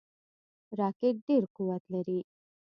راکټ ډیر قوت لري